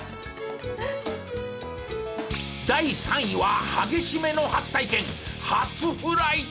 第３位は激しめの初体験初フライト！